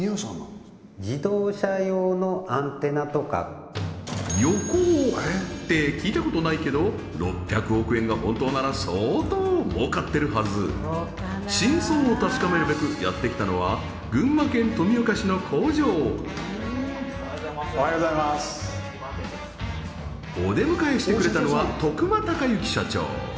実はヨコオって聞いたことないけど６００億円が本当なら相当儲かってるはず真相を確かめるべくやってきたのは群馬県富岡市の工場お出迎えしてくれたのは徳間孝之社長